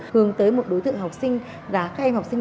hướng tới một đối tượng học sinh và các em học sinh